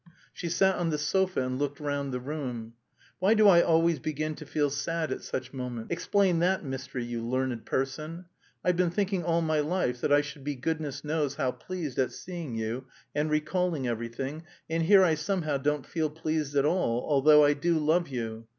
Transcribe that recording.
She sat on the sofa and looked round the room. "Why do I always begin to feel sad at such moments; explain that mystery, you learned person? I've been thinking all my life that I should be goodness knows how pleased at seeing you and recalling everything, and here I somehow don't feel pleased at all, although I do love you....